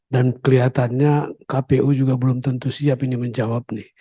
dan kelihatannya kpu juga belum tentu siap ini menjawab